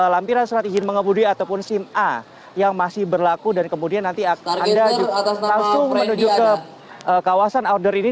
lampiran surat izin mengebudi ataupun sim a yang masih berlaku dan kemudian nanti anda langsung menuju ke kawasan outdoor ini